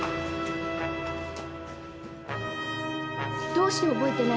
どうして覚えてないのかしら？